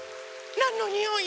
なんのにおい？